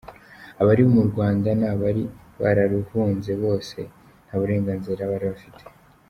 Abari mu Rwanda n’abari bararuhunze bose nta burenganzira bari bafite.